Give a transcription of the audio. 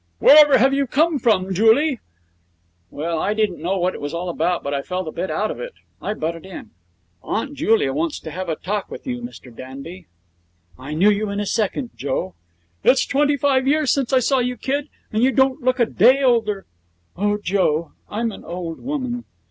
'Wherever have you come from, Julie?' Well, I didn't know what it was all about, but I felt a bit out of it. I butted in: 'Aunt Julia wants to have a talk with you, Mr Danby.' 'I knew you in a second, Joe!' 'It's twenty five years since I saw you, kid, and you don't look a day older.' 'Oh, Joe! I'm an old woman!'